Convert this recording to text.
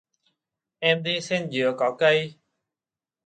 Em đi xen giữa cỏ cây